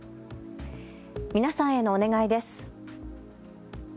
皆さんへのお願いです。